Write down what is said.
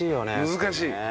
難しい。